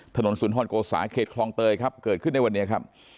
ถนนศุนฮรกโสศาเขตคลองเตยครับเกิดขึ้นในวันเนี้ยครับ